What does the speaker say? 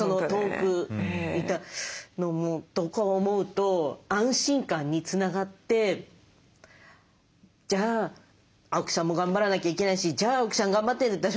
遠くいたのもとか思うと安心感につながってじゃあ青木さんも頑張らなきゃいけないしじゃあ青木さん頑張ってる。